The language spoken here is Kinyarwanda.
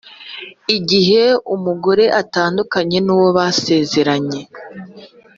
igihe umugore atandukanye n’uwo basezeranye